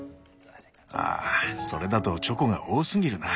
ああそれだとチョコが多すぎるな。